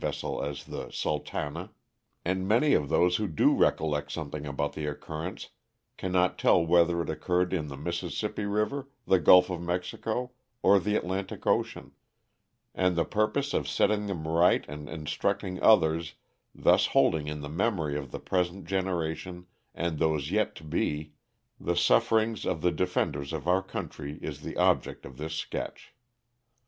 vessel as the ^' Sultana.^' And many of those who do recollect something about the occurrence cannot tell \ whether it occurred in the Mississippi river, the ^ulf \ of Mexico, or the Atlantic ocean; and the purpose j of setting them right and instructing others, thus \ holding in the memory of the present generation and i those yet to be the sufferings of the defenders of our ^ country, is the object of this sketch.